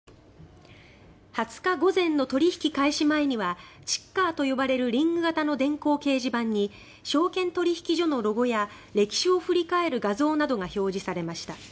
２０日午前の取引開始前にはチッカーと呼ばれる電光掲示板に証券取引所のロゴや歴史を振り返る画像などが表示されました。